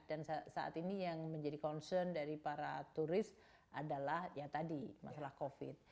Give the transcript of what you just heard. dan saat ini yang menjadi concern dari para turis adalah yang tadi masalah covid